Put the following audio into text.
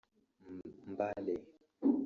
Mbale